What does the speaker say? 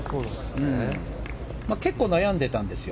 結構、悩んでたんですよ。